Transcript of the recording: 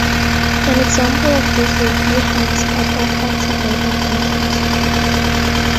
An example of this would be Hanno's cup of hot chocolate at breakfast.